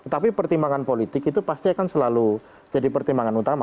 tapi pertimbangan politik itu pasti akan selalu jadi pertimbangan utama